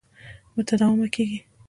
متداومه کېږي.